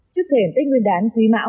trước thể tích nguyên đán quý mão